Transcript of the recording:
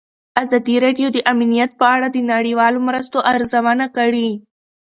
ازادي راډیو د امنیت په اړه د نړیوالو مرستو ارزونه کړې.